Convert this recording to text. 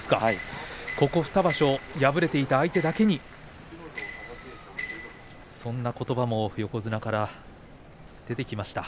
ここ２場所敗れていた相手だけにそんなことばも横綱から出てきました